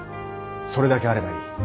それだけあればいい。